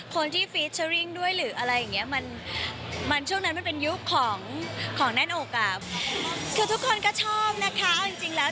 คือทุกคนก็ชอบนะคะเอาจริงแล้ว